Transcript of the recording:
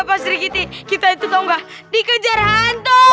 pasri giti kita itu tau nggak dikejar hantu